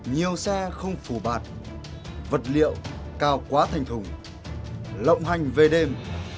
nhiều xe không phủ bạt vật liệu cao quá thành thùng lộng hành về đêm